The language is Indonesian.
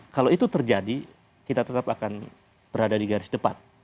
kalau itu terjadi kita tetap akan berada di garis depan